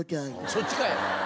そっちかい！